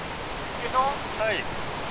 はい。